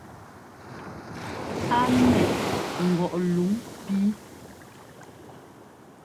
Á ḿmɛʼ ŋgɔʼ luŋ píi.